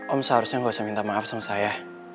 om seharusnya gak usah minta maaf sama saya